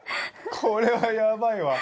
これはやばいわ。